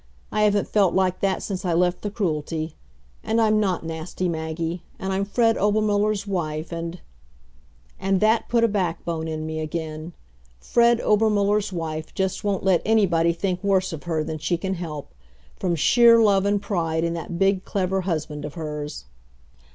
I haven't felt like that since I left the Cruelty. And I'm not nasty, Maggie, and I'm Fred Obermuller's wife, and And that put a backbone in me again. Fred Obermuller's wife just won't let anybody think worse of her than she can help from sheer love and pride in that big, clever husband of hers.